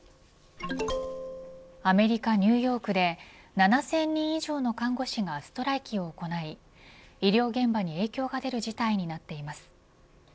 アメリカ、ニューヨークで７０００人以上の看護師がストライキを行い医療現場に影響が出る事態になっています。